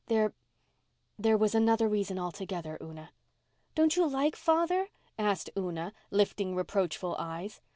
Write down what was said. There—there was another reason altogether, Una." "Don't you like father?" asked Una, lifting reproachful eyes.